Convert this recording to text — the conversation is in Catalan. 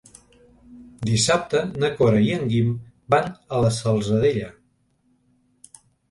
Dissabte na Cora i en Guim van a la Salzadella.